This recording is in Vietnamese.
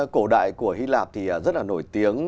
cổ đại của hy lạp thì rất là nổi tiếng